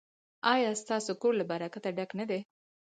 ایا ستاسو کور له برکت ډک نه دی؟